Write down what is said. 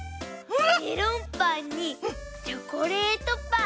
メロンパンにチョコレートパン。